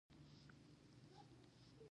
ورته مې وویل: ګرانې، ښه وشول چې راغلې.